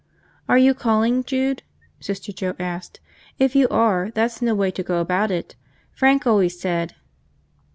"Are you calling, Jude?" Sister Joe asked. "If you are, that's no way to go about it. Frank always said